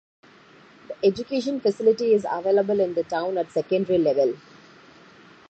The education facility is available in the town at secondary level.